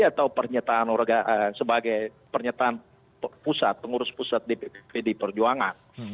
atau sebagai pernyataan pusat pengurus pusat di pd perjuangan